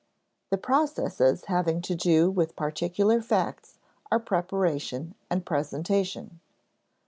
The processes having to do with particular facts are preparation and presentation.